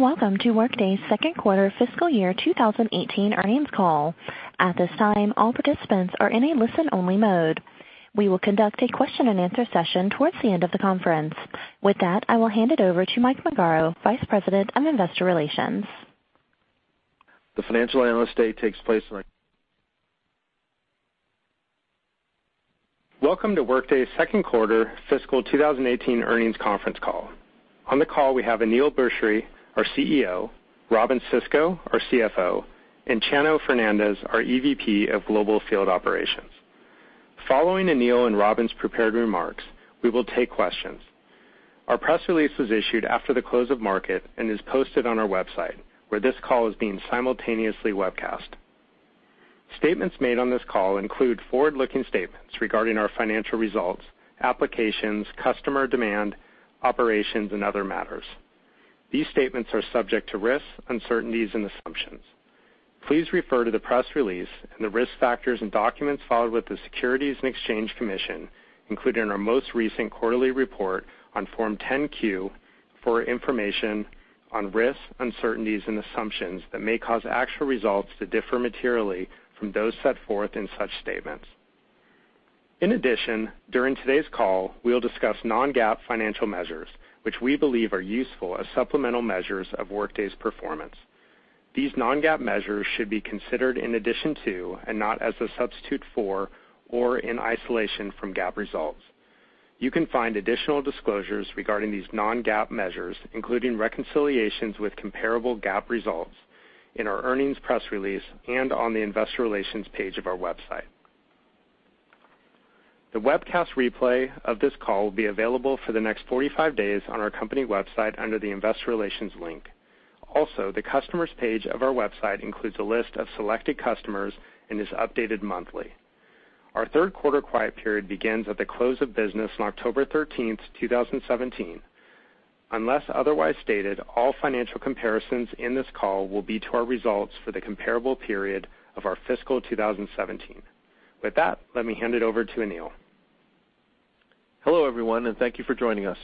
Welcome to Workday's second quarter fiscal year 2018 earnings call. At this time, all participants are in a listen-only mode. We will conduct a question and answer session towards the end of the conference. With that, I will hand it over to Michael Magaro, Vice President of Investor Relations. Welcome to Workday's second quarter fiscal 2018 earnings conference call. On the call, we have Aneel Bhusri, our CEO, Robynne Sisco, our CFO, and Chano Fernandez, our EVP of Global Field Operations. Following Aneel and Robyn's prepared remarks, we will take questions. Our press release was issued after the close of market and is posted on our website, where this call is being simultaneously webcast. Statements made on this call include forward-looking statements regarding our financial results, applications, customer demand, operations, and other matters. These statements are subject to risks, uncertainties and assumptions. Please refer to the press release and the risk factors and documents filed with the Securities and Exchange Commission, including our most recent quarterly report on Form 10-Q, for information on risks, uncertainties, and assumptions that may cause actual results to differ materially from those set forth in such statements. In addition, during today's call, we'll discuss non-GAAP financial measures, which we believe are useful as supplemental measures of Workday's performance. These non-GAAP measures should be considered in addition to, and not as a substitute for, or in isolation from GAAP results. You can find additional disclosures regarding these non-GAAP measures, including reconciliations with comparable GAAP results, in our earnings press release and on the investor relations page of our website. The webcast replay of this call will be available for the next 45 days on our company website under the investor relations link. Also, the customers page of our website includes a list of selected customers and is updated monthly. Our third quarter quiet period begins at the close of business on October 13th, 2017. Unless otherwise stated, all financial comparisons in this call will be to our results for the comparable period of our fiscal 2017. With that, let me hand it over to Aneel. Hello, everyone, and thank you for joining us.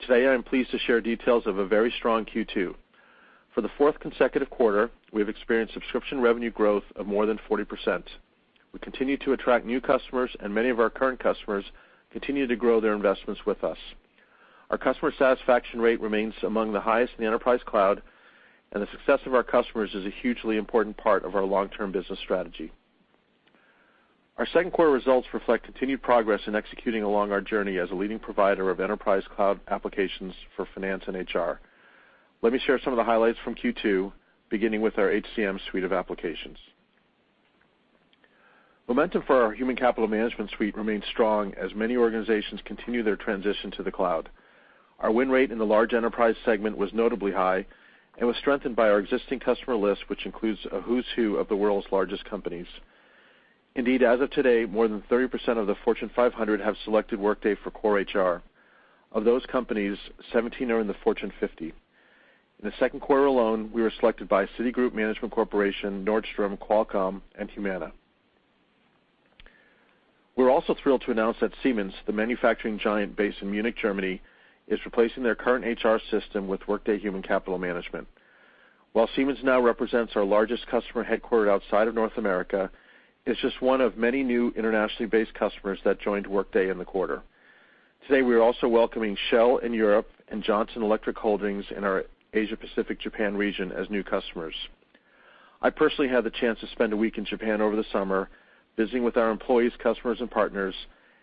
Today, I'm pleased to share details of a very strong Q2. For the fourth consecutive quarter, we've experienced subscription revenue growth of more than 40%. We continue to attract new customers, and many of our current customers continue to grow their investments with us. Our customer satisfaction rate remains among the highest in the enterprise cloud, and the success of our customers is a hugely important part of our long-term business strategy. Our second quarter results reflect continued progress in executing along our journey as a leading provider of enterprise cloud applications for finance and HR. Let me share some of the highlights from Q2, beginning with our HCM suite of applications. Momentum for our Workday Human Capital Management suite remains strong as many organizations continue their transition to the cloud. Our win rate in the large enterprise segment was notably high and was strengthened by our existing customer list, which includes a who's who of the world's largest companies. Indeed, as of today, more than 30% of the Fortune 500 have selected Workday for core HR. Of those companies, 17 are in the Fortune 50. In the second quarter alone, we were selected by Citigroup, Nordstrom, Qualcomm, and Humana. We're also thrilled to announce that Siemens, the manufacturing giant based in Munich, Germany, is replacing their current HR system with Workday Human Capital Management. While Siemens now represents our largest customer headquartered outside of North America, it's just one of many new internationally based customers that joined Workday in the quarter. Today, we are also welcoming Shell in Europe and Johnson Electric Holdings in our Asia-Pacific Japan region as new customers. I personally had the chance to spend a week in Japan over the summer visiting with our employees, customers, and partners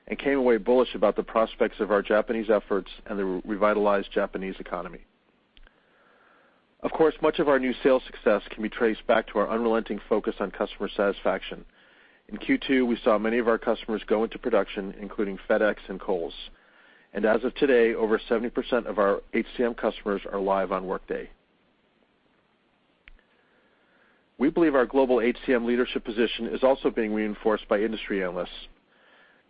and came away bullish about the prospects of our Japanese efforts and the revitalized Japanese economy. Of course, much of our new sales success can be traced back to our unrelenting focus on customer satisfaction. In Q2, we saw many of our customers go into production, including FedEx and Kohl's. As of today, over 70% of our HCM customers are live on Workday. We believe our global HCM leadership position is also being reinforced by industry analysts.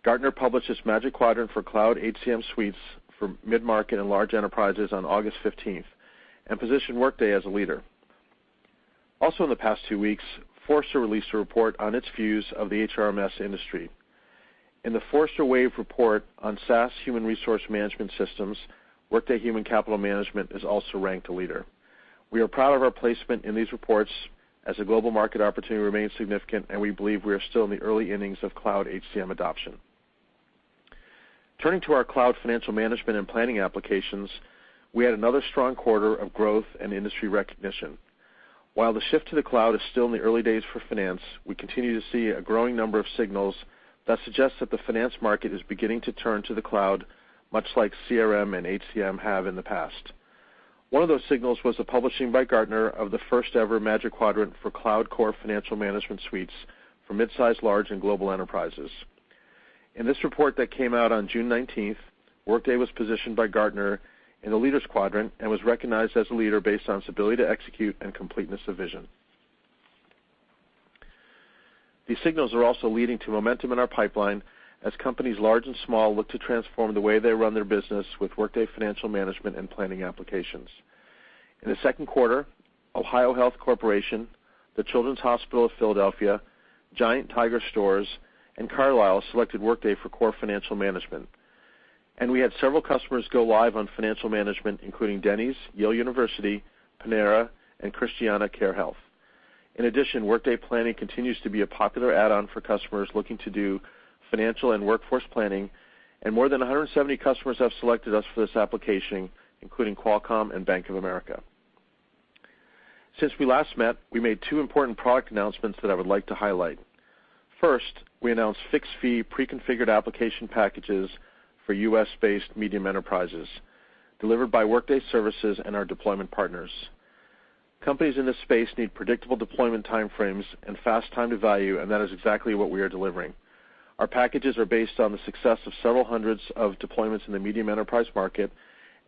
Gartner published its Magic Quadrant for Cloud HCM Suites for midmarket and large enterprises on August 15th and positioned Workday as a leader. Also in the past two weeks, Forrester released a report on its views of the HRMS industry. In the Forrester Wave report on SaaS human resource management systems, Workday Human Capital Management is also ranked a leader. We are proud of our placement in these reports, as the global market opportunity remains significant, and we believe we are still in the early innings of cloud HCM adoption. Turning to our cloud financial management and planning applications, we had another strong quarter of growth and industry recognition. While the shift to the cloud is still in the early days for finance, we continue to see a growing number of signals that suggest that the finance market is beginning to turn to the cloud, much like CRM and HCM have in the past. One of those signals was the publishing by Gartner of the first ever Magic Quadrant for Cloud Core Financial Management Suites for midsize, large, and global enterprises. In this report that came out on June 19th, Workday was positioned by Gartner in the Leaders Quadrant and was recognized as a leader based on its ability to execute and completeness of vision. These signals are also leading to momentum in our pipeline as companies large and small look to transform the way they run their business with Workday Financial Management and Planning applications. In the second quarter, OhioHealth Corporation, the Children's Hospital of Philadelphia, Giant Tiger Stores, and Carlyle selected Workday for core Workday Financial Management. And we had several customers go live on Workday Financial Management, including Denny's, Yale University, Panera, and ChristianaCare. In addition, Workday Planning continues to be a popular add-on for customers looking to do financial and workforce planning, and more than 170 customers have selected us for this application, including Qualcomm and Bank of America. Since we last met, we made two important product announcements that I would like to highlight. First, we announced fixed-fee pre-configured application packages for U.S.-based medium enterprises, delivered by Workday Services and our deployment partners. Companies in this space need predictable deployment time frames and fast time to value, and that is exactly what we are delivering. Our packages are based on the success of several hundreds of deployments in the medium enterprise market,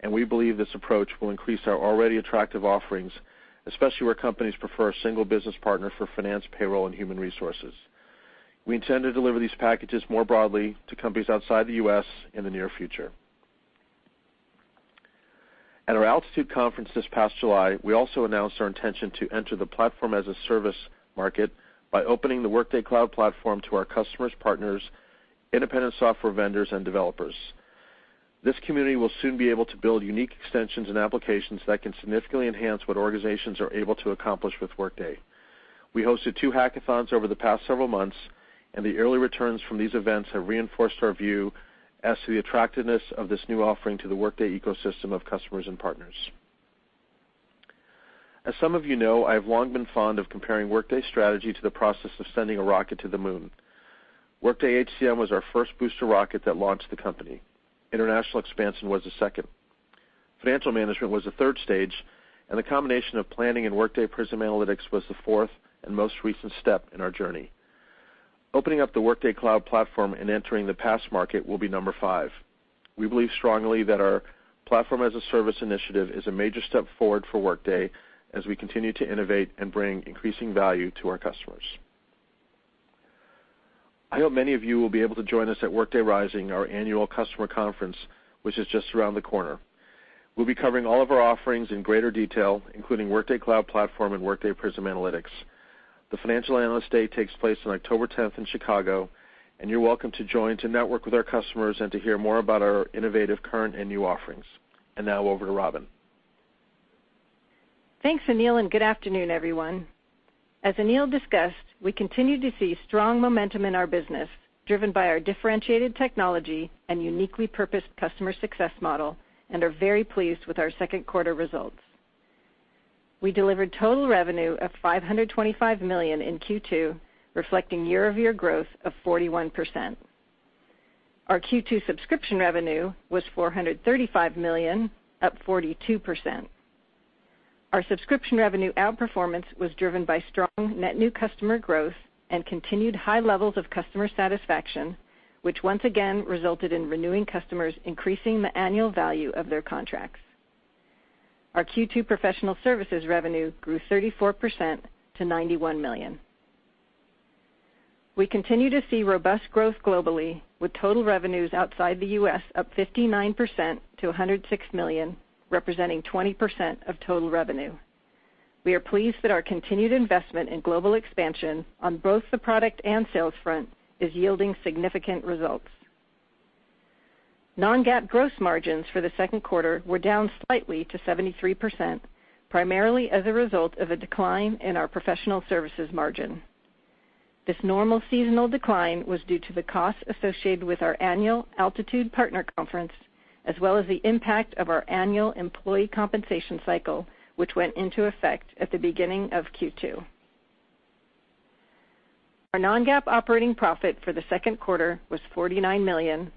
and we believe this approach will increase our already attractive offerings, especially where companies prefer a single business partner for finance, payroll, and human resources. We intend to deliver these packages more broadly to companies outside the U.S. in the near future. At our Workday Altitude conference this past July, we also announced our intention to enter the platform-as-a-service market by opening the Workday Cloud Platform to our customers, partners, independent software vendors, and developers. This community will soon be able to build unique extensions and applications that can significantly enhance what organizations are able to accomplish with Workday. We hosted two hackathons over the past several months, and the early returns from these events have reinforced our view as to the attractiveness of this new offering to the Workday ecosystem of customers and partners. As some of you know, I have long been fond of comparing Workday's strategy to the process of sending a rocket to the moon. Workday HCM was our first booster rocket that launched the company. International expansion was the second. Workday Financial Management was the third stage, and the combination of Planning and Workday Prism Analytics was the fourth and most recent step in our journey. Opening up the Workday Cloud Platform and entering the PaaS market will be number five. We believe strongly that our platform-as-a-service initiative is a major step forward for Workday as we continue to innovate and bring increasing value to our customers. I hope many of you will be able to join us at Workday Rising, our annual customer conference, which is just around the corner. We'll be covering all of our offerings in greater detail, including Workday Cloud Platform and Workday Prism Analytics. The financial analyst day takes place on October 10th in Chicago, and you're welcome to join to network with our customers and to hear more about our innovative current and new offerings. Now over to Robynne. Thanks, Aneel, and good afternoon, everyone. As Aneel discussed, we continue to see strong momentum in our business, driven by our differentiated technology and uniquely purposed customer success model, and are very pleased with our second quarter results. We delivered total revenue of $525 million in Q2, reflecting year-over-year growth of 41%. Our Q2 subscription revenue was $435 million, up 42%. Our subscription revenue outperformance was driven by strong net new customer growth and continued high levels of customer satisfaction, which once again resulted in renewing customers increasing the annual value of their contracts. Our Q2 professional services revenue grew 34% to $91 million. We continue to see robust growth globally, with total revenues outside the U.S. up 59% to $106 million, representing 20% of total revenue. We are pleased that our continued investment in global expansion on both the product and sales front is yielding significant results. Non-GAAP gross margins for the second quarter were down slightly to 73%, primarily as a result of a decline in our professional services margin. This normal seasonal decline was due to the costs associated with our annual Altitude Partner conference, as well as the impact of our annual employee compensation cycle, which went into effect at the beginning of Q2. Our non-GAAP operating profit for the second quarter was $49 million,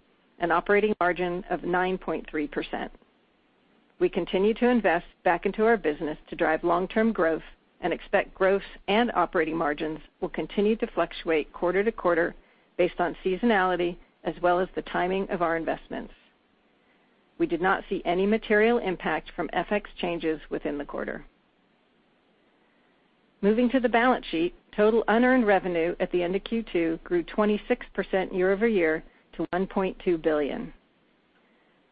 an operating margin of 9.3%. We continue to invest back into our business to drive long-term growth and expect growth and operating margins will continue to fluctuate quarter-to-quarter based on seasonality as well as the timing of our investments. We did not see any material impact from FX changes within the quarter. Moving to the balance sheet, total unearned revenue at the end of Q2 grew 26% year-over-year to $1.2 billion.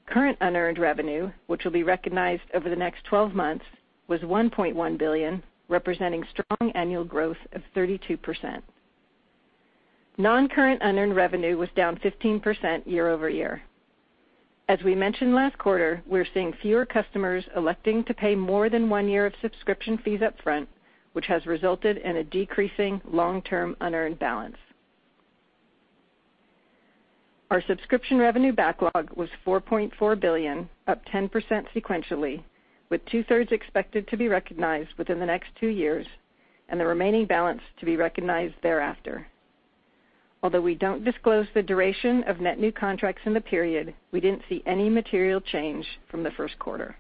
Current unearned revenue, which will be recognized over the next 12 months, was $1.1 billion, representing strong annual growth of 32%. Non-current unearned revenue was down 15% year-over-year. As we mentioned last quarter, we're seeing fewer customers electing to pay more than one year of subscription fees up front, which has resulted in a decreasing long-term unearned balance. Our subscription revenue backlog was $4.4 billion, up 10% sequentially, with two-thirds expected to be recognized within the next two years and the remaining balance to be recognized thereafter. Although we don't disclose the duration of net new contracts in the period, we didn't see any material change from the first quarter.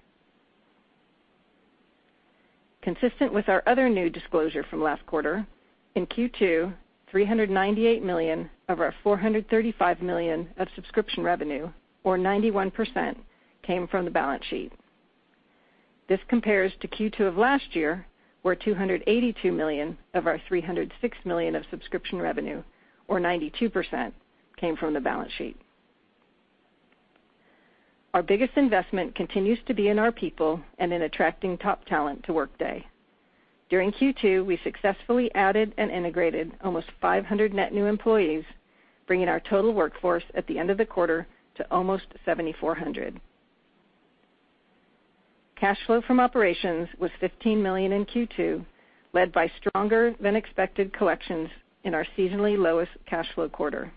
Consistent with our other new disclosure from last quarter, in Q2, $398 million of our $435 million of subscription revenue, or 91%, came from the balance sheet. This compares to Q2 of last year, where $282 million of our $306 million of subscription revenue, or 92%, came from the balance sheet. Our biggest investment continues to be in our people and in attracting top talent to Workday. During Q2, we successfully added and integrated almost 500 net new employees, bringing our total workforce at the end of the quarter to almost 7,400. Cash flow from operations was $15 million in Q2, led by stronger than expected collections in our seasonally lowest cash flow quarter.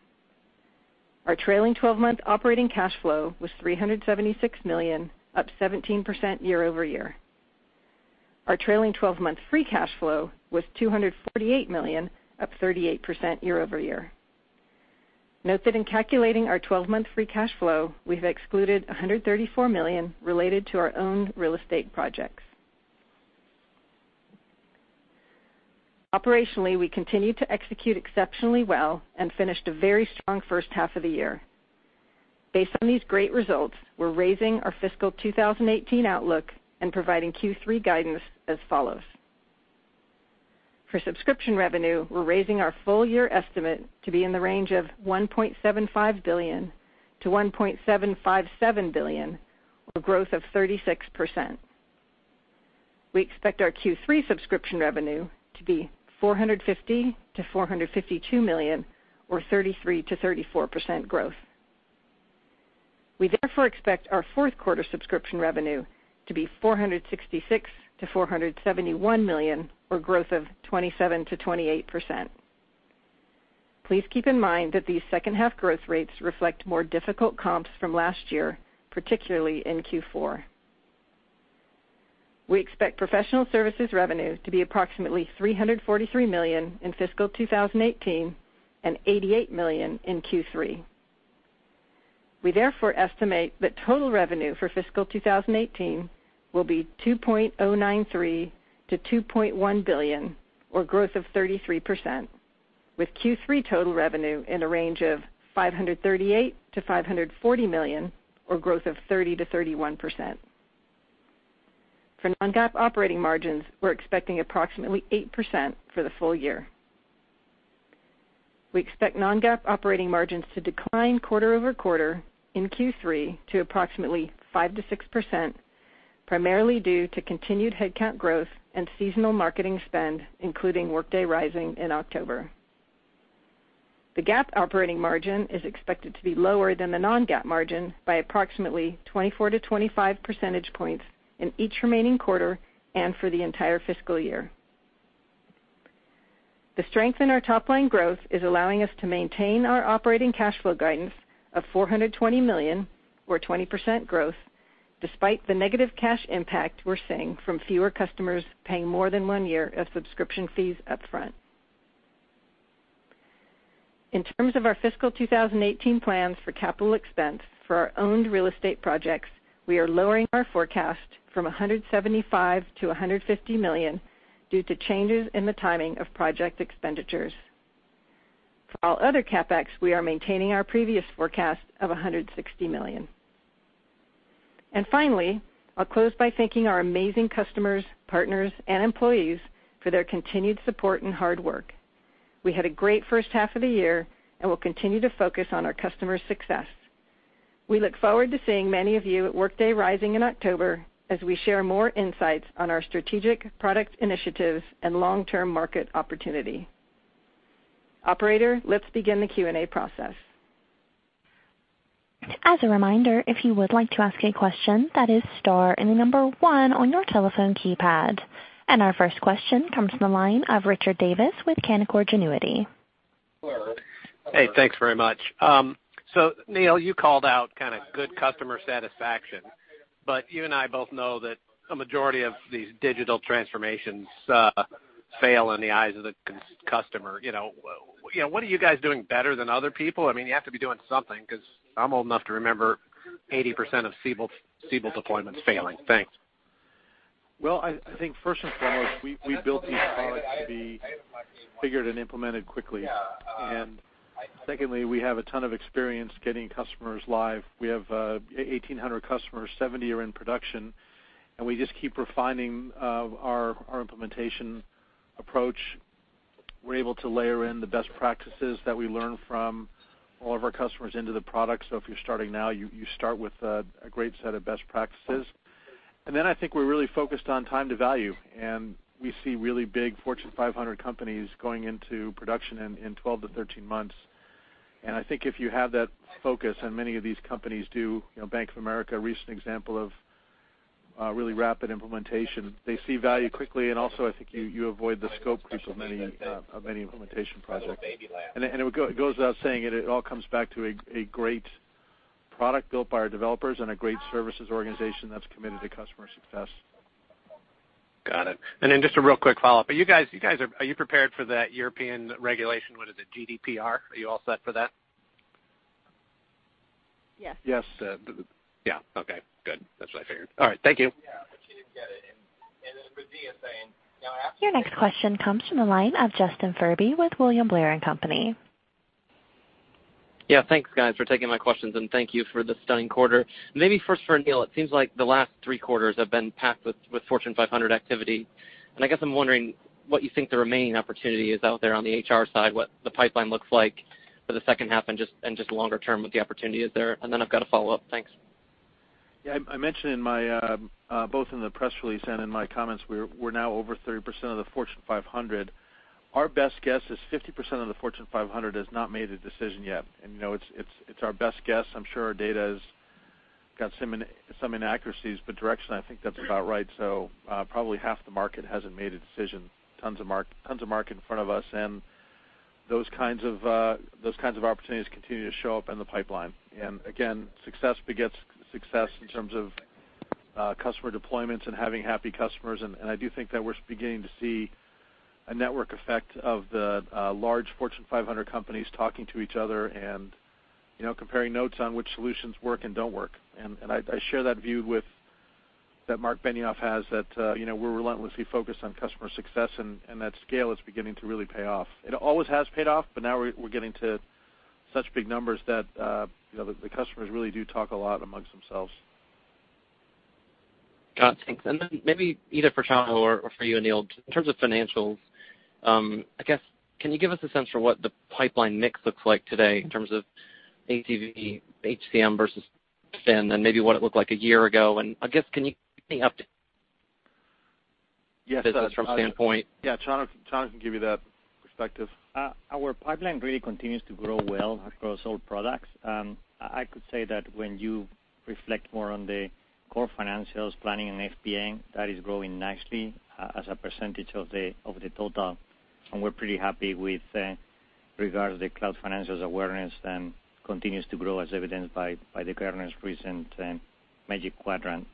Our trailing 12-month operating cash flow was $376 million, up 17% year-over-year. Our trailing 12-month free cash flow was $248 million, up 38% year-over-year. Note that in calculating our 12-month free cash flow, we've excluded $134 million related to our own real estate projects. Operationally, we continued to execute exceptionally well and finished a very strong first half of the year. Based on these great results, we're raising our fiscal 2018 outlook and providing Q3 guidance as follows. For subscription revenue, we're raising our full-year estimate to be in the range of $1.75 billion-$1.757 billion, or growth of 36%. We expect our Q3 subscription revenue to be $450 million-$452 million, or 33%-34% growth. We therefore expect our fourth quarter subscription revenue to be $466 million-$471 million, or growth of 27%-28%. Please keep in mind that these second half growth rates reflect more difficult comps from last year, particularly in Q4. We expect professional services revenue to be approximately $343 million in fiscal 2018, and $88 million in Q3. We therefore estimate that total revenue for fiscal 2018 will be $2.093 billion-$2.1 billion, or growth of 33%, with Q3 total revenue in a range of $538 million-$540 million, or growth of 30%-31%. For non-GAAP operating margins, we're expecting approximately 8% for the full year. We expect non-GAAP operating margins to decline quarter-over-quarter in Q3 to approximately 5%-6%, primarily due to continued headcount growth and seasonal marketing spend, including Workday Rising in October. The GAAP operating margin is expected to be lower than the non-GAAP margin by approximately 24-25 percentage points in each remaining quarter and for the entire fiscal year. The strength in our top-line growth is allowing us to maintain our operating cash flow guidance of $420 million, or 20% growth, despite the negative cash impact we're seeing from fewer customers paying more than one year of subscription fees up front. In terms of our fiscal 2018 plans for capital expense for our owned real estate projects, we are lowering our forecast from $175 million-$150 million due to changes in the timing of project expenditures. For all other CapEx, we are maintaining our previous forecast of $160 million. Finally, I'll close by thanking our amazing customers, partners, and employees for their continued support and hard work. We had a great first half of the year and will continue to focus on our customers' success. We look forward to seeing many of you at Workday Rising in October as we share more insights on our strategic product initiatives and long-term market opportunity. Operator, let's begin the Q&A process. As a reminder, if you would like to ask a question, that is star and the number one on your telephone keypad. Our first question comes from the line of Richard Davis with Canaccord Genuity. Hey, thanks very much. Aneel, you called out good customer satisfaction, you and I both know that a majority of these digital transformations fail in the eyes of the customer. What are you guys doing better than other people? You have to be doing something, because I'm old enough to remember 80% of Siebel deployments failing. Thanks. Well, I think first and foremost, we built these products to be figured and implemented quickly. Secondly, we have a ton of experience getting customers live. We have 1,800 customers, 70 are in production. We just keep refining our implementation approach. We're able to layer in the best practices that we learn from all of our customers into the product. If you're starting now, you start with a great set of best practices. Then I think we're really focused on time to value, and we see really big Fortune 500 companies going into production in 12 to 13 months. I think if you have that focus, and many of these companies do, Bank of America, a recent example of a really rapid implementation. They see value quickly, and also, I think you avoid the scope creep of many implementation projects. It goes without saying, it all comes back to a great product built by our developers and a great services organization that's committed to customer success. Got it. Then just a real quick follow-up. Are you prepared for that European regulation? What is it, GDPR? Are you all set for that? Yes. Yeah. Okay, good. That's what I figured. All right. Thank you. Your next question comes from the line of Justin Furby with William Blair & Co. Yeah. Thanks, guys, for taking my questions, and thank you for the stunning quarter. Maybe first for Aneel, it seems like the last three quarters have been packed with Fortune 500 activity, and I guess I'm wondering what you think the remaining opportunity is out there on the HR side, what the pipeline looks like for the second half and just longer term, what the opportunity is there. Then I've got a follow-up. Thanks. Yeah. I mentioned both in the press release and in my comments, we're now over 30% of the Fortune 500. Our best guess is 50% of the Fortune 500 has not made a decision yet. It's our best guess. I'm sure our data has got some inaccuracies, but direction, I think that's about right. Probably half the market hasn't made a decision. Tons of market in front of us, and those kinds of opportunities continue to show up in the pipeline. Again, success begets success in terms of customer deployments and having happy customers, and I do think that we're beginning to see a network effect of the large Fortune 500 companies talking to each other and comparing notes on which solutions work and don't work. I share that view that Marc Benioff has, that we're relentlessly focused on customer success, and that scale is beginning to really pay off. It always has paid off, but now we're getting to such big numbers that the customers really do talk a lot amongst themselves. Got it, thanks. Maybe either for Chano or for you, Aneel, in terms of financials, I guess, can you give us a sense for what the pipeline mix looks like today in terms of ACV, HCM versus Fin, and maybe what it looked like a year ago? I guess, can you business from standpoint? Yeah, Chano can give you that perspective. Our pipeline really continues to grow well across all products. I could say that when you reflect more on the core financials, planning, and FP&A, that is growing nicely as a percentage of the total. We're pretty happy with regards to the cloud financials awareness, and continues to grow, as evidenced by Gartner's recent Magic Quadrant.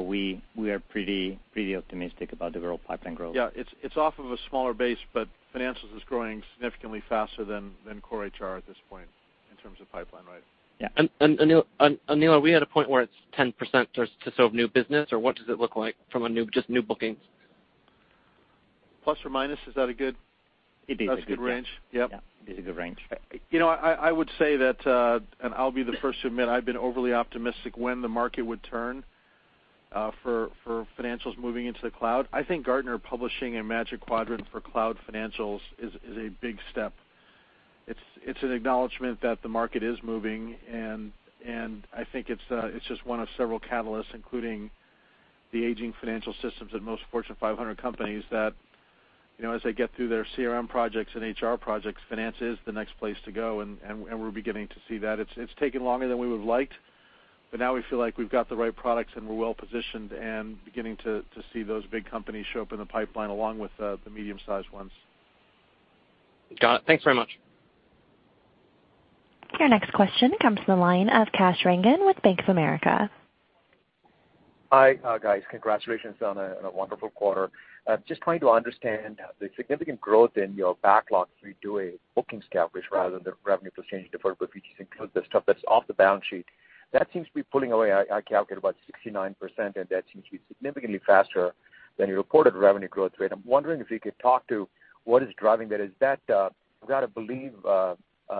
We are pretty optimistic about the pipeline growth. Yeah. It's off of a smaller base, financials is growing significantly faster than core HR at this point, in terms of pipeline, right? Yeah. Aneel, are we at a point where it's 10% to sort of new business, or what does it look like from just new bookings? Plus or minus, is that a It is a good, yeah. That's a good range? Yep. Yeah. It's a good range. I would say that, and I'll be the first to admit I've been overly optimistic when the market would turn, for financials moving into the cloud. I think Gartner publishing a Magic Quadrant for cloud financials is a big step. It's an acknowledgement that the market is moving, and I think it's just one of several catalysts, including the aging financial systems at most Fortune 500 companies that, as they get through their CRM projects and HR projects, finance is the next place to go, and we're beginning to see that. It's taken longer than we would've liked, but now we feel like we've got the right products, and we're well-positioned and beginning to see those big companies show up in the pipeline, along with the medium-sized ones. Got it. Thanks very much. Your next question comes from the line of Kash Rangan with Bank of America. Hi, guys. Congratulations on a wonderful quarter. Just trying to understand the significant growth in your backlog if we do a bookings average rather than the revenue potential deferred, which includes the stuff that's off the balance sheet. That seems to be pulling away, I calculate, about 69%, and that seems to be significantly faster than your reported revenue growth rate. I'm wondering if you could talk to what is driving that. Is that, I've got to believe,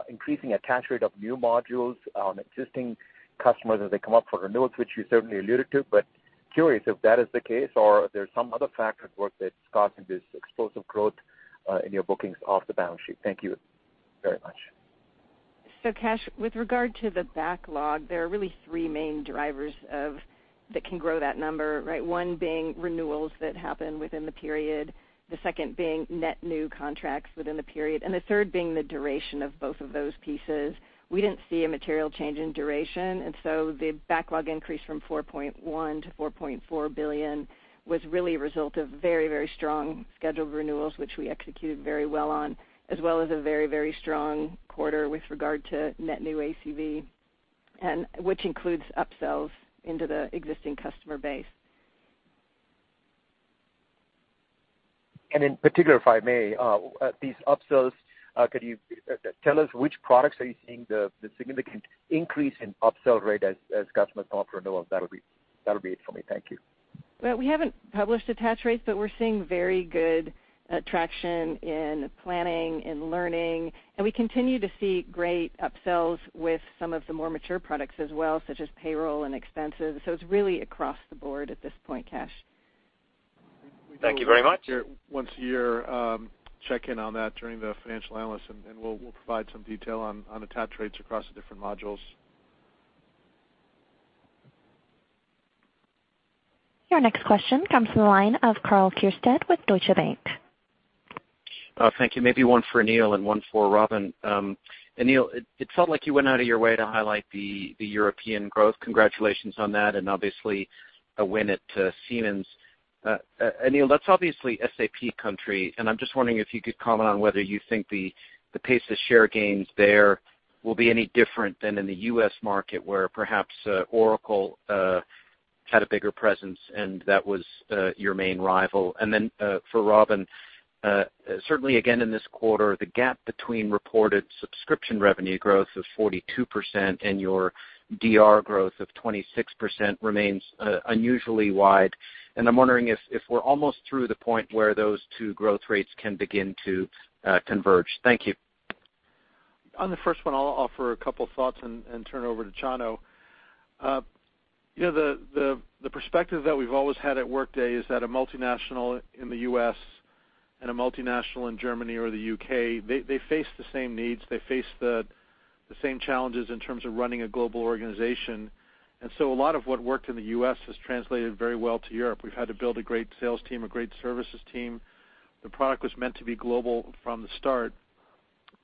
increasing attach rate of new modules on existing customers as they come up for renewals, which you certainly alluded to, but curious if that is the case or if there's some other factors at work that's causing this explosive growth in your bookings off the balance sheet. Thank you very much. Kash, with regard to the backlog, there are really three main drivers that can grow that number, right? One being renewals that happen within the period, the second being net new contracts within the period, and the third being the duration of both of those pieces. We didn't see a material change in duration, and the backlog increase from $4.1 billion-$4.4 billion was really a result of very strong scheduled renewals, which we executed very well on, as well as a very strong quarter with regard to net new ACV, which includes upsells into the existing customer base. In particular, if I may, these upsells, could you tell us which products are you seeing the significant increase in upsell rate as customers come up for renewal? That'll be it for me. Thank you. Well, we haven't published attach rates, but we're seeing very good traction in planning and learning, and we continue to see great upsells with some of the more mature products as well, such as payroll and expenses. It's really across the board at this point, Kash. Thank you very much. Once a year, check in on that during the financial analyst, we'll provide some detail on attach rates across the different modules. Your next question comes from the line of Karl Keirstead with Deutsche Bank. Thank you. Maybe one for Aneel and one for Robynne. Aneel, it felt like you went out of your way to highlight the European growth. Congratulations on that, and obviously, a win at Siemens. Aneel, that's obviously SAP country, and I'm just wondering if you could comment on whether you think the pace of share gains there will be any different than in the U.S. market, where perhaps Oracle had a bigger presence, and that was your main rival. For Robynne, certainly again in this quarter, the gap between reported subscription revenue growth of 42% and your DR growth of 26% remains unusually wide. I'm wondering if we're almost through the point where those two growth rates can begin to converge. Thank you. On the first one, I'll offer a couple thoughts and turn it over to Chano. The perspective that we've always had at Workday is that a multinational in the U.S. A multinational in Germany or the U.K., they face the same needs, they face the same challenges in terms of running a global organization. A lot of what worked in the U.S. has translated very well to Europe. We've had to build a great sales team, a great services team. The product was meant to be global from the start.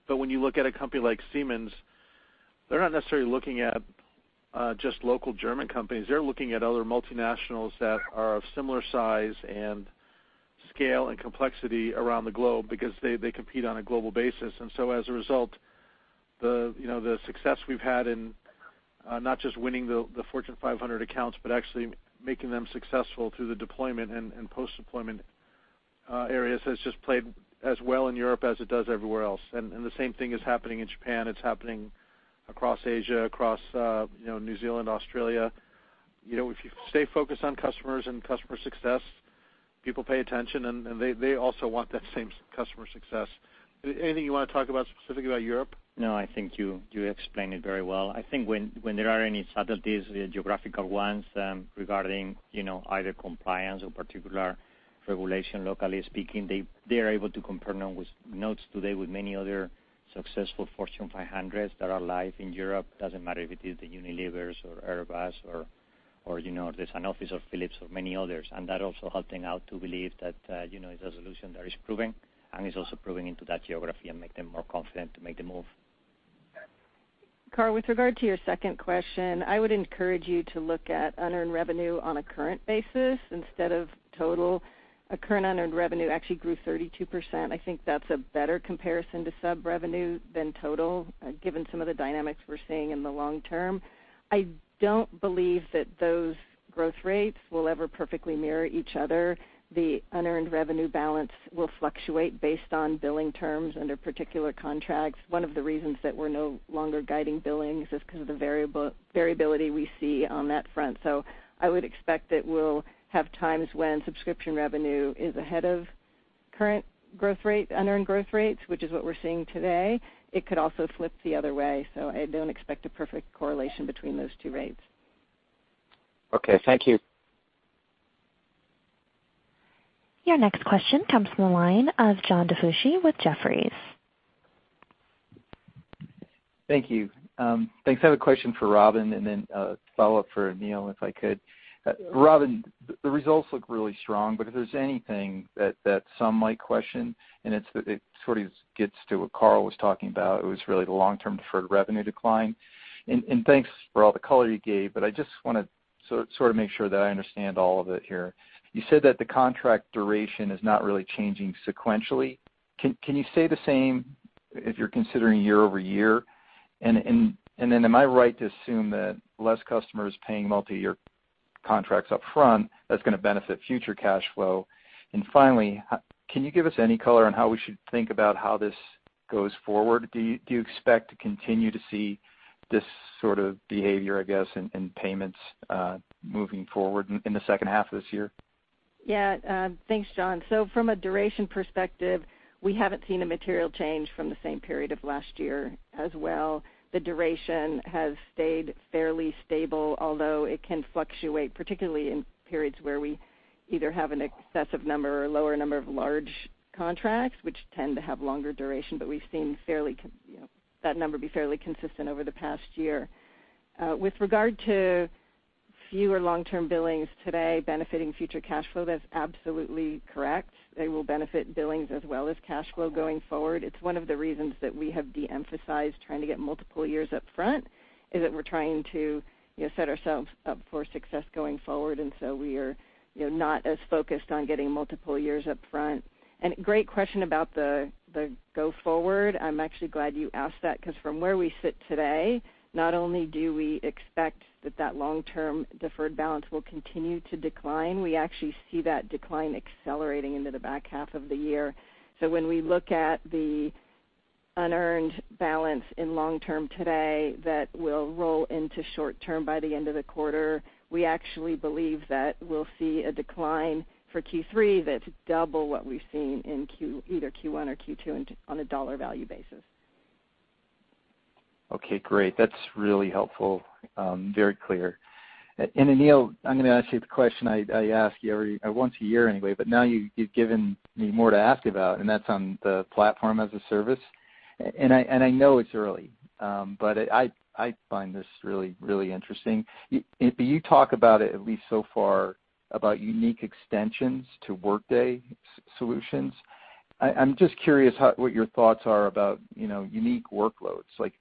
When you look at a company like Siemens, they're not necessarily looking at just local German companies. They're looking at other multinationals that are of similar size and scale and complexity around the globe because they compete on a global basis. As a result, the success we've had in not just winning the Fortune 500 accounts, but actually making them successful through the deployment and post-deployment areas has just played as well in Europe as it does everywhere else. The same thing is happening in Japan. It's happening across Asia, across New Zealand, Australia. If you stay focused on customers and customer success, people pay attention, and they also want that same customer success. Anything you want to talk about specifically about Europe? No, I think you explained it very well. I think when there are any subtleties, the geographical ones, regarding either compliance or particular regulation, locally speaking, they are able to compare notes today with many other successful Fortune 500s that are live in Europe. Doesn't matter if it is the Unilever or Airbus or there's an office of Philips or many others. That also helping out to believe that it's a solution that is proving and is also proving into that geography and make them more confident to make the move. Karl, with regard to your second question, I would encourage you to look at unearned revenue on a current basis instead of total. Current unearned revenue actually grew 32%. I think that's a better comparison to sub-revenue than total, given some of the dynamics we're seeing in the long term. I don't believe that those growth rates will ever perfectly mirror each other. The unearned revenue balance will fluctuate based on billing terms under particular contracts. One of the reasons that we're no longer guiding billings is because of the variability we see on that front. I would expect that we'll have times when subscription revenue is ahead of current unearned growth rates, which is what we're seeing today. It could also flip the other way, so I don't expect a perfect correlation between those two rates. Okay. Thank you. Your next question comes from the line of John DiFucci with Jefferies. Thank you. Thanks. I have a question for Robynne, then a follow-up for Aneel, if I could. Robynne, the results look really strong, but if there's anything that some might question, it sort of gets to what Karl was talking about, it was really the long-term deferred revenue decline. Thanks for all the color you gave, but I just want to sort of make sure that I understand all of it here. You said that the contract duration is not really changing sequentially. Can you say the same if you're considering year-over-year? Am I right to assume that less customers paying multi-year contracts upfront, that's going to benefit future cash flow? Finally, can you give us any color on how we should think about how this goes forward? Do you expect to continue to see this sort of behavior, I guess, in payments moving forward in the second half of this year? Yeah. Thanks, John. From a duration perspective, we haven't seen a material change from the same period of last year as well. The duration has stayed fairly stable, although it can fluctuate, particularly in periods where we either have an excessive number or a lower number of large contracts, which tend to have longer duration. We've seen that number be fairly consistent over the past year. With regard to fewer long-term billings today benefiting future cash flow, that's absolutely correct. They will benefit billings as well as cash flow going forward. It's one of the reasons that we have de-emphasized trying to get multiple years up front, is that we're trying to set ourselves up for success going forward. We are not as focused on getting multiple years up front. Great question about the go forward. I'm actually glad you asked that, because from where we sit today, not only do we expect that that long-term deferred balance will continue to decline, we actually see that decline accelerating into the back half of the year. When we look at the unearned balance in long term today, that will roll into short term by the end of the quarter, we actually believe that we'll see a decline for Q3 that's double what we've seen in either Q1 or Q2 on a dollar value basis. Okay, great. That's really helpful. Very clear. Aneel, I'm going to ask you the question I ask you once a year anyway, but now you've given me more to ask about, and that's on the platform as a service. I know it's early, but I find this really interesting. You talk about it, at least so far, about unique extensions to Workday solutions. I'm just curious what your thoughts are about unique workloads. Like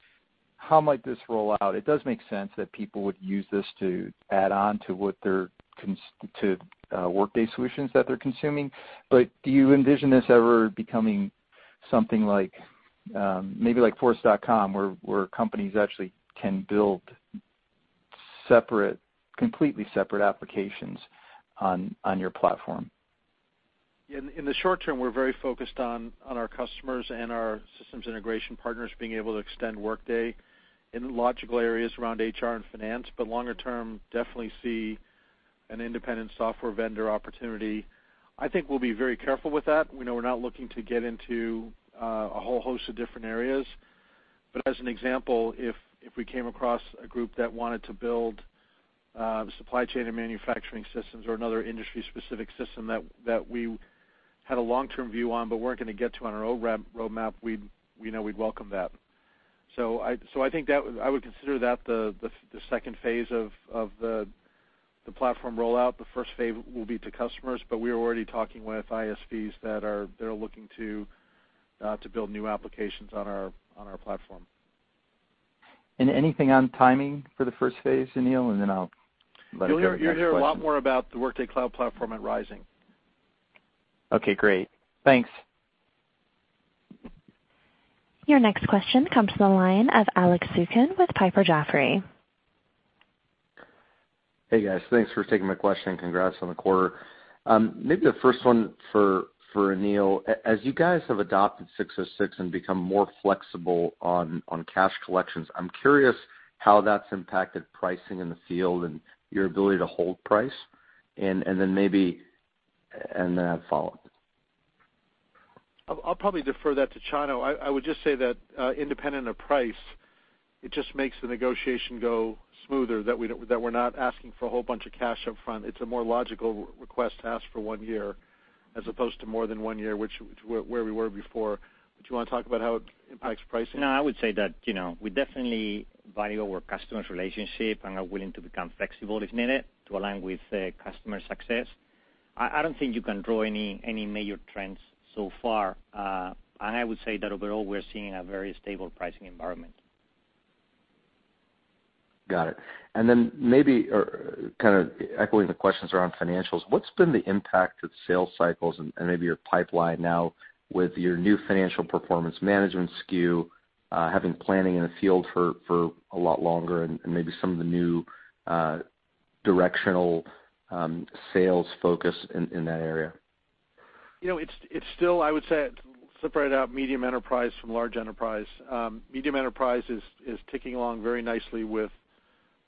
how might this roll out? It does make sense that people would use this to add on to Workday solutions that they're consuming. Do you envision this ever becoming something like maybe like Force.com, where companies actually can build completely separate applications on your platform? In the short term, we're very focused on our customers and our systems integration partners being able to extend Workday in logical areas around HR and finance. Longer term, definitely see an independent software vendor opportunity. I think we'll be very careful with that. We know we're not looking to get into a whole host of different areas. As an example, if we came across a group that wanted to build supply chain and manufacturing systems or another industry-specific system that we had a long-term view on but weren't going to get to on our own roadmap, we'd welcome that. I think that I would consider that the second phase of the platform rollout. The first phase will be to customers, but we are already talking with ISVs that are looking to build new applications on our platform. Anything on timing for the first phase, Aneel? Then I'll let it go to the next question. You'll hear a lot more about the Workday Cloud Platform at Rising. Okay, great. Thanks. Your next question comes from the line of Alex Zukin with Piper Jaffray. Hey, guys. Thanks for taking my question, and congrats on the quarter. Maybe the first one for Aneel. As you guys have adopted 606 and become more flexible on cash collections, I'm curious how that's impacted pricing in the field and your ability to hold price. Then I have a follow-up. I'll probably defer that to Chano. I would just say that independent of price, it just makes the negotiation go smoother, that we're not asking for a whole bunch of cash up front. It's a more logical request to ask for one year as opposed to more than one year, which is where we were before. Do you want to talk about how it impacts pricing? No, I would say that we definitely value our customers' relationship and are willing to become flexible if needed to align with customer success. I don't think you can draw any major trends so far. I would say that overall, we're seeing a very stable pricing environment. Got it. Maybe echoing the questions around financials, what's been the impact to the sales cycles and maybe your pipeline now with your new financial performance management SKU, having planning in the field for a lot longer and maybe some of the new directional sales focus in that area? I would say to separate out medium enterprise from large enterprise. Medium enterprise is ticking along very nicely with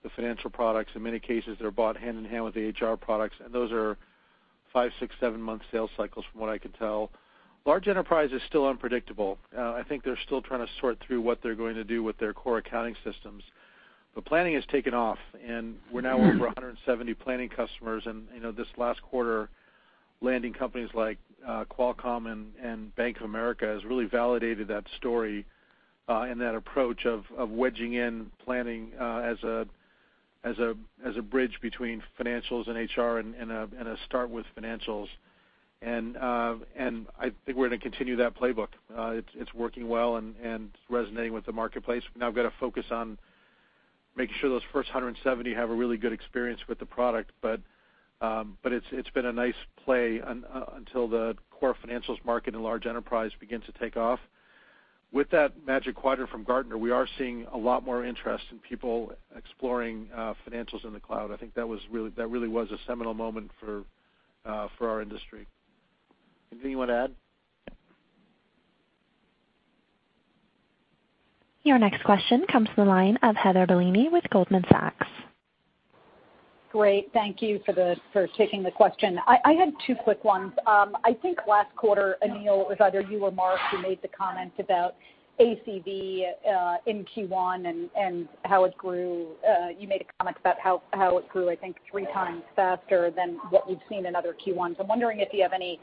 the financial products. In many cases, they're bought hand-in-hand with the HR products, those are five, six, seven-month sales cycles from what I can tell. Large enterprise is still unpredictable. I think they're still trying to sort through what they're going to do with their core accounting systems. Planning has taken off, we're now over 170 planning customers. This last quarter, landing companies like Qualcomm and Bank of America has really validated that story, that approach of wedging in planning as a bridge between financials and HR and a start with financials. I think we're going to continue that playbook. It's working well and resonating with the marketplace. We've now got to focus on making sure those first 170 have a really good experience with the product. It's been a nice play until the core financials market and large enterprise begin to take off. With that Magic Quadrant from Gartner, we are seeing a lot more interest in people exploring financials in the cloud. I think that really was a seminal moment for our industry. Anything you want to add? Your next question comes from the line of Heather Bellini with Goldman Sachs. Great. Thank you for taking the question. I had two quick ones. I think last quarter, Aneel, it was either you or Mark who made the comment about ACV in Q1 and how it grew. You made a comment about how it grew, I think, three times faster than what we've seen in other Q1s. I'm wondering if you have any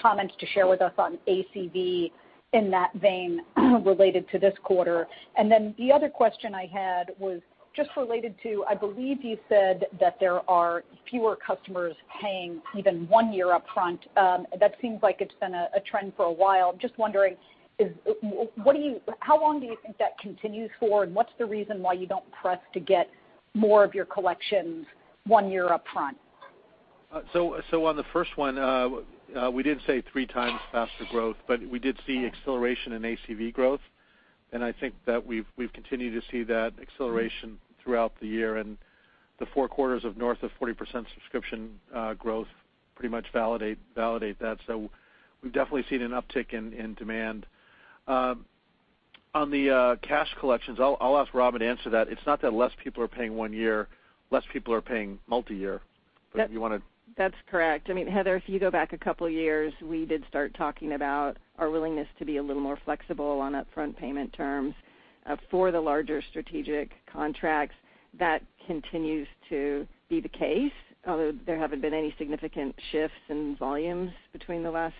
comments to share with us on ACV in that vein related to this quarter. The other question I had was just related to, I believe you said that there are fewer customers paying even one year upfront. That seems like it's been a trend for a while. I'm just wondering, how long do you think that continues for, and what's the reason why you don't press to get more of your collections one year upfront? On the first one, we did say three times faster growth, but we did see acceleration in ACV growth, and I think that we've continued to see that acceleration throughout the year. The four quarters of north of 40% subscription growth pretty much validate that. We've definitely seen an uptick in demand. On the cash collections, I'll ask Robyn to answer that. It's not that less people are paying one year, less people are paying multi-year. Do you want to- That's correct. I mean, Heather, if you go back a couple of years, we did start talking about our willingness to be a little more flexible on upfront payment terms for the larger strategic contracts. That continues to be the case, although there haven't been any significant shifts in volumes between the last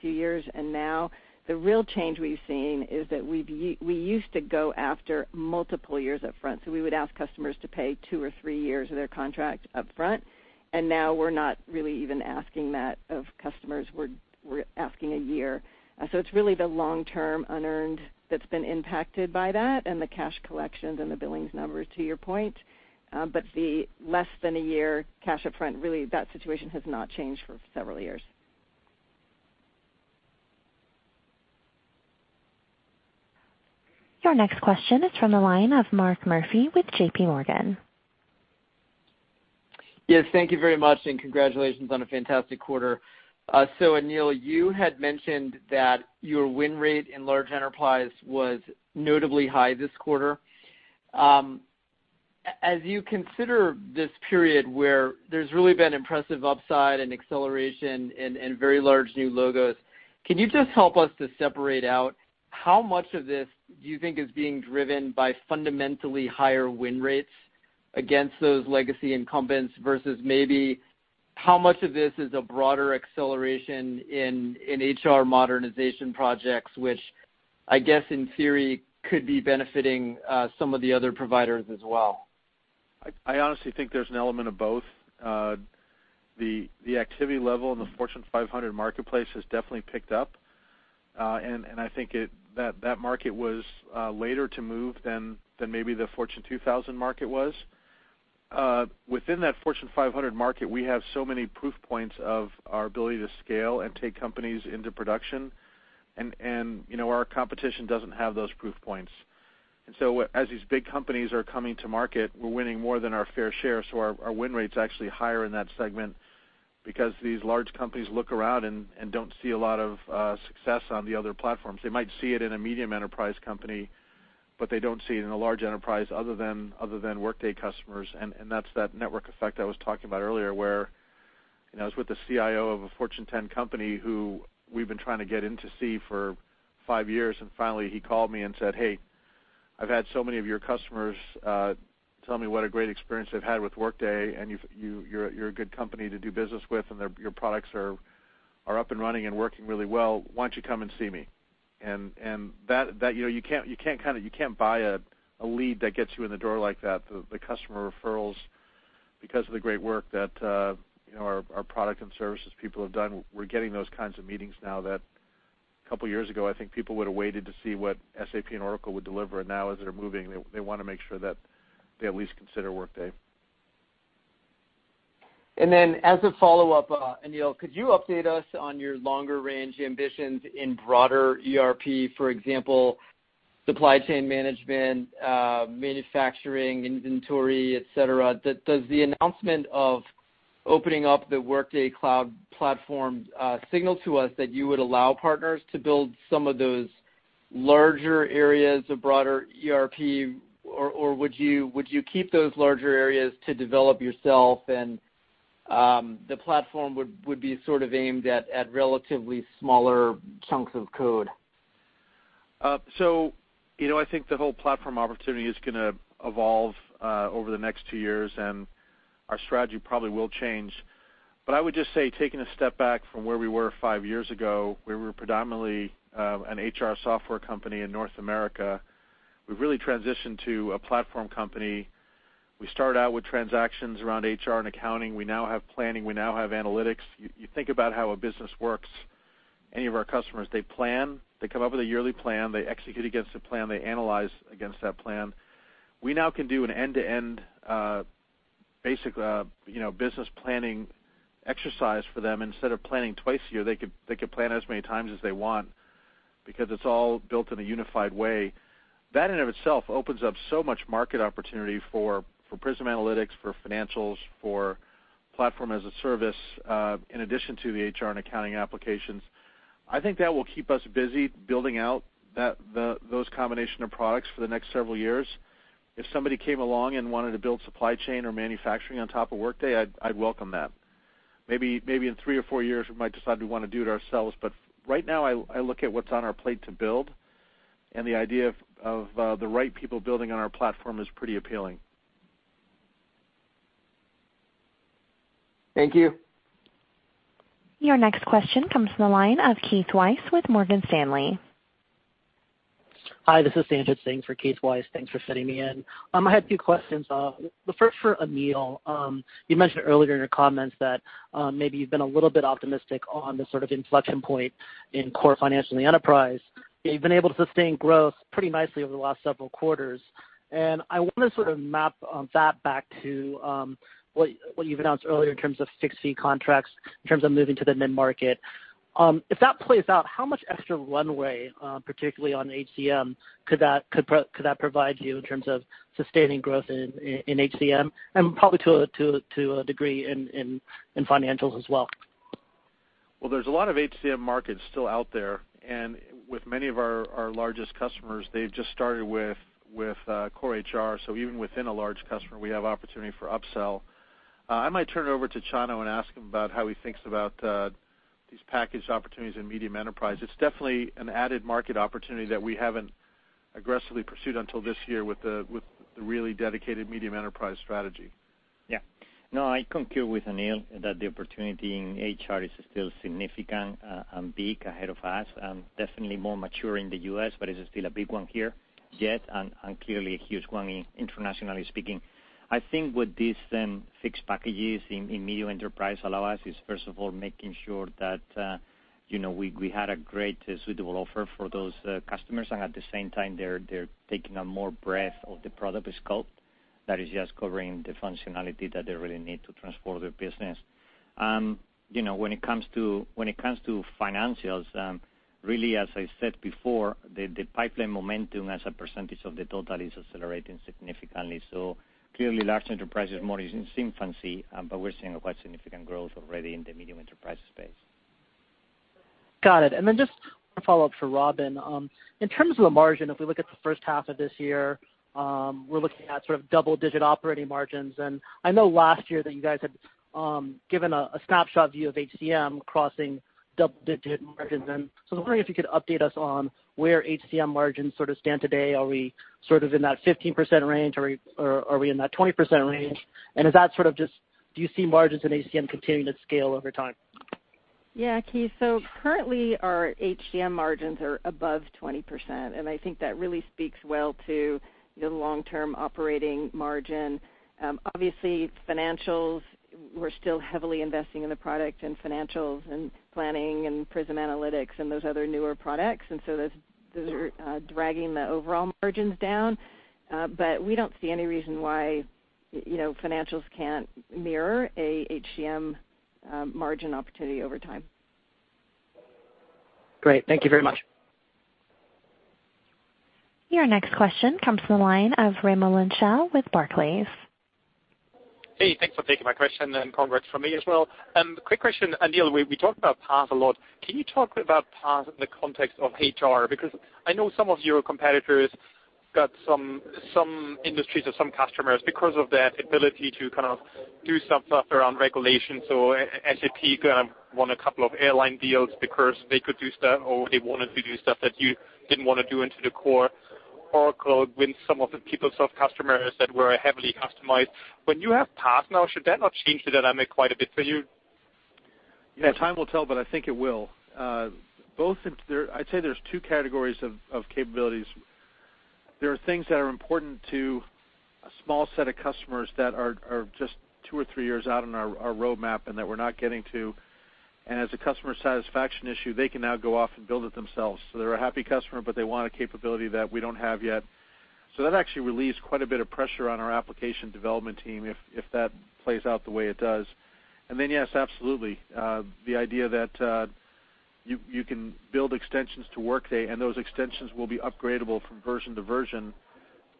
few years and now. The real change we've seen is that we used to go after multiple years upfront. We would ask customers to pay two or three years of their contract upfront, and now we're not really even asking that of customers. We're asking a year. It's really the long-term unearned that's been impacted by that and the cash collections and the billings numbers, to your point. But the less than a year cash upfront, really, that situation has not changed for several years. Your next question is from the line of Mark Murphy with JPMorgan. Yes, thank you very much, and congratulations on a fantastic quarter. Aneel, you had mentioned that your win rate in large enterprise was notably high this quarter. As you consider this period where there's really been impressive upside and acceleration and very large new logos, can you just help us to separate out How much of this do you think is being driven by fundamentally higher win rates against those legacy incumbents versus maybe how much of this is a broader acceleration in HR modernization projects, which I guess in theory could be benefiting some of the other providers as well? I honestly think there's an element of both. The activity level in the Fortune 500 marketplace has definitely picked up. I think that market was later to move than maybe the Fortune 2000 market was. Within that Fortune 500 market, we have so many proof points of our ability to scale and take companies into production. Our competition doesn't have those proof points. As these big companies are coming to market, we're winning more than our fair share. Our win rate's actually higher in that segment because these large companies look around and don't see a lot of success on the other platforms. They might see it in a medium enterprise company, but they don't see it in a large enterprise other than Workday customers, and that's that network effect I was talking about earlier, where I was with the CIO of a Fortune 10 company who we've been trying to get in to see for 5 years, and finally, he called me and said, "Hey, I've had so many of your customers tell me what a great experience they've had with Workday, and you're a good company to do business with, and your products are up and running and working really well. Why don't you come and see me?" You can't buy a lead that gets you in the door like that, the customer referrals, because of the great work that our product and services people have done. We're getting those kinds of meetings now that a couple of years ago, I think people would've waited to see what SAP and Oracle would deliver. Now as they're moving, they want to make sure that they at least consider Workday. As a follow-up, Aneel, could you update us on your longer-range ambitions in broader ERP, for example, supply chain management, manufacturing, inventory, et cetera. Does the announcement of opening up the Workday Cloud Platform signal to us that you would allow partners to build some of those larger areas of broader ERP, or would you keep those larger areas to develop yourself, and the platform would be sort of aimed at relatively smaller chunks of code? I think the whole platform opportunity is going to evolve over the next 2 years, and our strategy probably will change. I would just say, taking a step back from where we were 5 years ago, where we were predominantly an HR software company in North America, we've really transitioned to a platform company. We started out with transactions around HR and accounting. We now have planning, we now have analytics. You think about how a business works. Any of our customers, they plan, they come up with a yearly plan, they execute against the plan, they analyze against that plan. We now can do an end-to-end business planning exercise for them. Instead of planning twice a year, they could plan as many times as they want because it's all built in a unified way. That in and of itself opens up so much market opportunity for Prism Analytics, for financials, for platform-as-a-service, in addition to the HR and accounting applications. I think that will keep us busy building out those combination of products for the next several years. If somebody came along and wanted to build supply chain or manufacturing on top of Workday, I'd welcome that. Maybe in three or four years, we might decide we want to do it ourselves, but right now, I look at what's on our plate to build, and the idea of the right people building on our platform is pretty appealing. Thank you. Your next question comes from the line of Keith Weiss with Morgan Stanley. Hi, this is Sanjit Singh for Keith Weiss. Thanks for fitting me in. I had a few questions. The first for Aneel. You mentioned earlier in your comments that maybe you've been a little bit optimistic on the sort of inflection point in core financial in the enterprise. You've been able to sustain growth pretty nicely over the last several quarters, and I want to sort of map that back to what you've announced earlier in terms of fixed-fee contracts, in terms of moving to the mid-market. If that plays out, how much extra runway, particularly on HCM, could that provide you in terms of sustaining growth in HCM, and probably to a degree in financials as well? There's a lot of HCM markets still out there, and with many of our largest customers, they've just started with core HR. Even within a large customer, we have opportunity for upsell. I might turn it over to Chano and ask him about how he thinks about these package opportunities in medium enterprise. It's definitely an added market opportunity that we haven't aggressively pursued until this year with the really dedicated medium enterprise strategy. I concur with Aneel that the opportunity in HR is still significant and big ahead of us, and definitely more mature in the U.S., but it's still a big one here yet, and clearly a huge one internationally speaking. What these then fixed packages in medium enterprise allow us is, first of all, making sure that we had a great suitable offer for those customers, and at the same time, they're taking on more breadth of the product scope that is just covering the functionality that they really need to transform their business. When it comes to financials, really as I said before, the pipeline momentum as a percentage of the total is accelerating significantly. Clearly large enterprise is more in its infancy, but we're seeing quite significant growth already in the medium enterprise space. Got it. Just one follow-up for Robynne. In terms of the margin, if we look at the first half of this year, we're looking at double-digit operating margins. I know last year that you guys had given a snapshot view of HCM crossing double-digit margins. I was wondering if you could update us on where HCM margins stand today. Are we in that 15% range? Are we in that 20% range? Do you see margins in HCM continuing to scale over time? Keith, currently, our HCM margins are above 20%, and I think that really speaks well to the long-term operating margin. Obviously, financials, we're still heavily investing in the product and financials and planning and Prism Analytics and those other newer products, and those are dragging the overall margins down. We don't see any reason why financials can't mirror a HCM margin opportunity over time. Great. Thank you very much. Your next question comes from the line of Raimo Lenschow with Barclays. Hey, thanks for taking my question, and congrats from me as well. Quick question. Aneel, we talked about PaaS a lot. Can you talk about PaaS in the context of HR? Because I know some of your competitors got some industries or some customers because of that ability to do some stuff around regulation. SAP won a couple of airline deals because they could do stuff, or they wanted to do stuff that you didn't want to do into the core. Oracle with some of the PeopleSoft customers that were heavily customized. When you have PaaS now, should that not change the dynamic quite a bit for you? Yeah, time will tell, but I think it will. I'd say there's two categories of capabilities. There are things that are important to a small set of customers that are just two or three years out on our roadmap and that we're not getting to. As a customer satisfaction issue, they can now go off and build it themselves. They're a happy customer, but they want a capability that we don't have yet. That actually relieves quite a bit of pressure on our application development team if that plays out the way it does. Then, yes, absolutely. The idea that you can build extensions to Workday, and those extensions will be upgradable from version to version,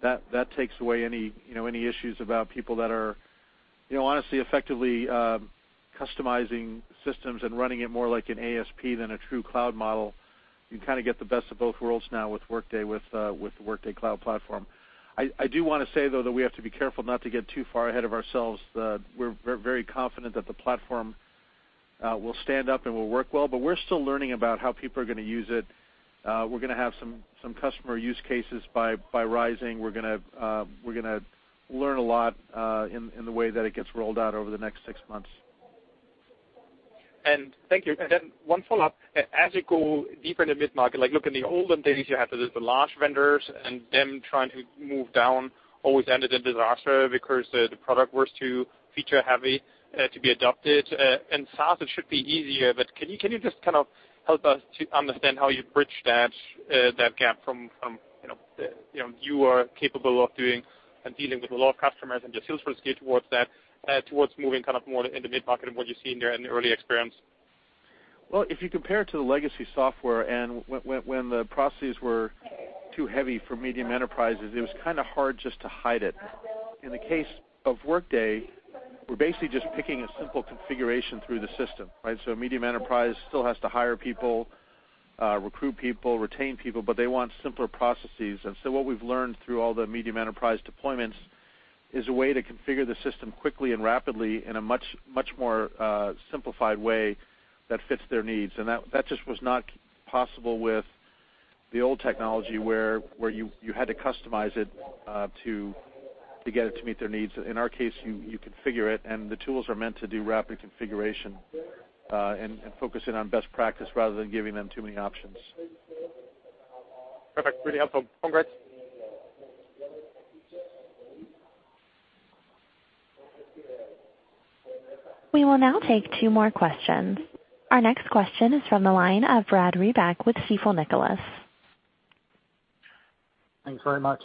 that takes away any issues about people that are honestly, effectively customizing systems and running it more like an ASP than a true cloud model. You get the best of both worlds now with Workday, with the Workday Cloud Platform. I do want to say, though, that we have to be careful not to get too far ahead of ourselves. We're very confident that the platform will stand up and will work well, but we're still learning about how people are going to use it. We're going to have some customer use cases by Rising. We're going to learn a lot in the way that it gets rolled out over the next six months. Thank you. Then one follow-up. As you go deeper in the mid-market, like look in the olden days, you have the large vendors, them trying to move down always ended in disaster because the product was too feature-heavy to be adopted. SaaS, it should be easier, but can you just help us to understand how you bridge that gap from you are capable of doing and dealing with a lot of customers and your Salesforce scale towards moving more in the mid-market and what you've seen there in the early experience? Well, if you compare it to the legacy software and when the processes were too heavy for medium enterprises, it was hard just to hide it. In the case of Workday, we're basically just picking a simple configuration through the system, right? A medium enterprise still has to hire people, recruit people, retain people, but they want simpler processes. What we've learned through all the medium enterprise deployments is a way to configure the system quickly and rapidly in a much more simplified way that fits their needs. That just was not possible with the old technology, where you had to customize it to get it to meet their needs. In our case, you configure it, and the tools are meant to do rapid configuration and focus in on best practice rather than giving them too many options. Perfect. Really helpful. Congrats. We will now take two more questions. Our next question is from the line of Brad Reback with Stifel Nicolaus. Thanks very much.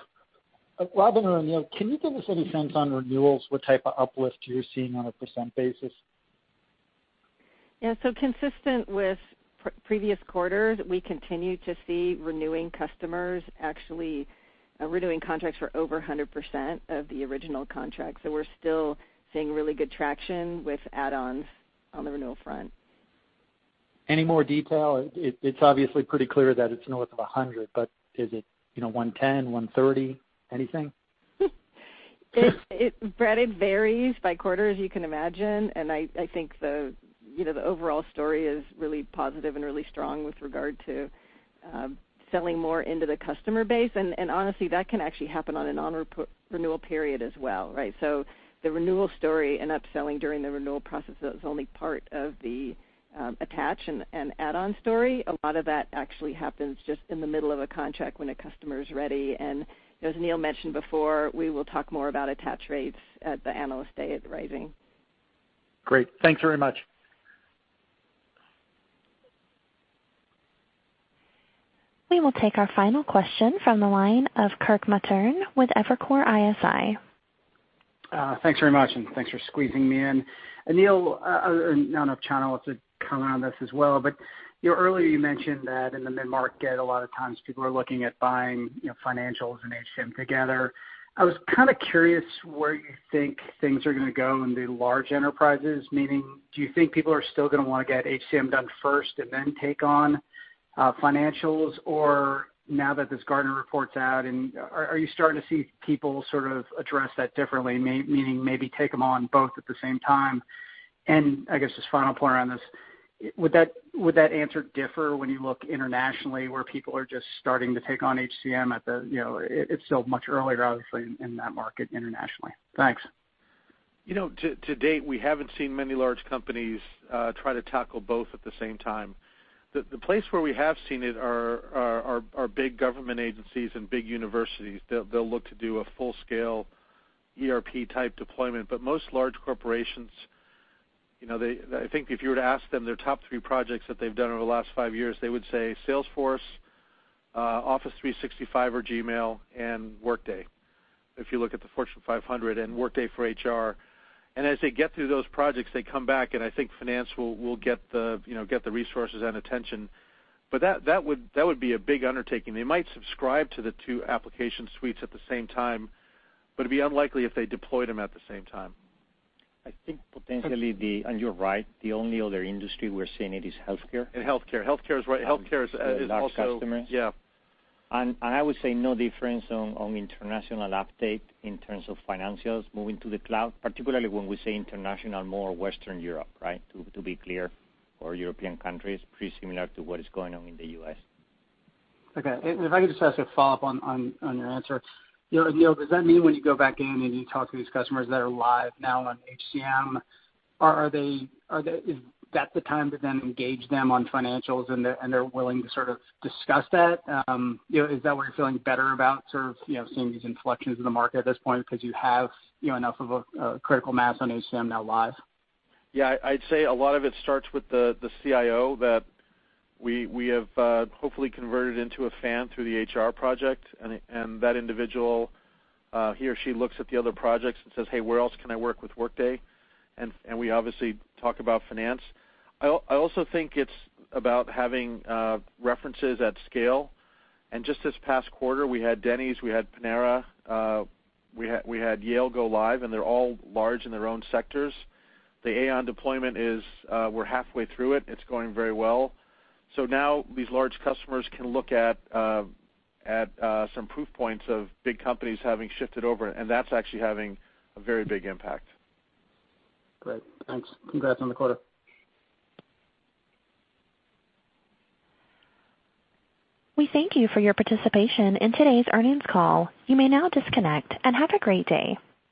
Robyn or Aneel, can you give us any sense on renewals, what type of uplift you're seeing on a % basis? Yeah. Consistent with previous quarters, we continue to see renewing customers actually renewing contracts for over 100% of the original contract. We're still seeing really good traction with add-ons on the renewal front. Any more detail? It's obviously pretty clear that it's north of 100, is it 110, 130? Anything? Brad, it varies by quarter, as you can imagine, I think the overall story is really positive and really strong with regard to selling more into the customer base. Honestly, that can actually happen on a non-renewal period as well, right? The renewal story and upselling during the renewal process is only part of the attach and add-on story. A lot of that actually happens just in the middle of a contract when a customer is ready. As Aneel mentioned before, we will talk more about attach rates at the Analyst Day at Rising. Great. Thanks very much. We will take our final question from the line of Kirk Materne with Evercore ISI. Thanks very much, thanks for squeezing me in. Aneel, I don't know if Chano wants to comment on this as well, earlier you mentioned that in the mid-market, a lot of times people are looking at buying financials and HCM together. I was kind of curious where you think things are going to go in the large enterprises. Meaning, do you think people are still going to want to get HCM done first and then take on financials? Or now that this Gartner report's out, are you starting to see people sort of address that differently, meaning maybe take them on both at the same time? I guess this final point around this, would that answer differ when you look internationally where people are just starting to take on HCM? It's still much earlier, obviously, in that market internationally. Thanks. To date, we haven't seen many large companies try to tackle both at the same time. The place where we have seen it are big government agencies and big universities. They'll look to do a full-scale ERP-type deployment. Most large corporations, I think if you were to ask them their top three projects that they've done over the last five years, they would say Salesforce, Office 365 or Gmail, and Workday. If you look at the Fortune 500, and Workday for HR. As they get through those projects, they come back, and I think finance will get the resources and attention. That would be a big undertaking. They might subscribe to the two application suites at the same time, but it'd be unlikely if they deployed them at the same time. I think potentially the You're right. The only other industry we're seeing it is healthcare. Healthcare. Large customers. Yeah. I would say no difference on international uptake in terms of financials moving to the cloud, particularly when we say international, more Western Europe, right? To be clear, or European countries, pretty similar to what is going on in the U.S. Okay. If I could just ask a follow-up on your answer. Aneel, does that mean when you go back in and you talk to these customers that are live now on HCM, is that the time to then engage them on financials, and they're willing to sort of discuss that? Is that where you're feeling better about sort of seeing these inflections in the market at this point because you have enough of a critical mass on HCM now live? Yeah, I'd say a lot of it starts with the CIO that we have hopefully converted into a fan through the HR project, that individual, he or she looks at the other projects and says, "Hey, where else can I work with Workday?" We obviously talk about finance. I also think it's about having references at scale. Just this past quarter, we had Denny's, we had Panera, we had Yale go live, and they're all large in their own sectors. The Aon deployment is, we're halfway through it. It's going very well. Now these large customers can look at some proof points of big companies having shifted over, and that's actually having a very big impact. Great. Thanks. Congrats on the quarter. We thank you for your participation in today's earnings call. You may now disconnect, and have a great day